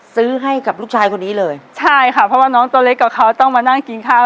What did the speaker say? ซื้อให้กับลูกชายคนนี้เลยใช่ค่ะเพราะว่าน้องตัวเล็กกับเขาต้องมานั่งกินข้าว